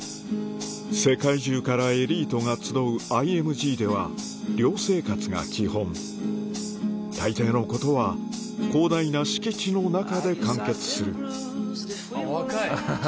世界中からエリートが集うＩＭＧでは寮生活が基本大抵のことは広大な敷地の中で完結するあっ若い。